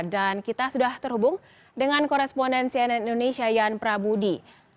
dan kita sudah terhubung dengan korespondensi ann indonesia yan prabudi